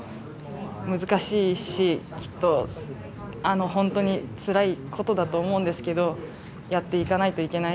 難しいしきっと本当につらいことだと思うんですけどやっていかないといけない。